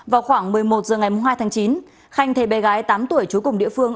vào khoảng một mươi một h ngày hai tháng chín khanh thấy bé gái tám tuổi trú cùng địa phương